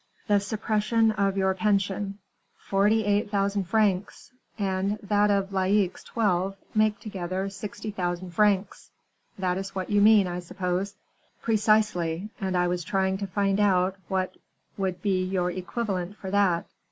"The suppression of your pension " "Forty eight thousand francs, and that of Laicques's twelve, make together sixty thousand francs; that is what you mean, I suppose?" "Precisely; and I was trying to find out what would be your equivalent for that."